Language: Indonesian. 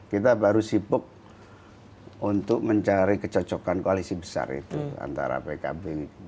kita baru sibuk untuk mencari kecocokan koalisi besar itu antara pkb